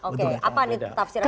oke apa nih tafsirannya